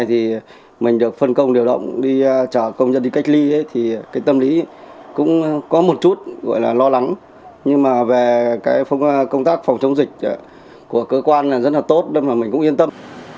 thì cái tâm lý cũng có một chút gọi là lo lắng nhưng mà về công tác phòng chống dịch của cơ quan là rất là tốt mình cũng yên tâm